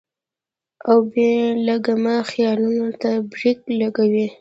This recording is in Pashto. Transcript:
او بې لګامه خيالونو ته برېک لګوي -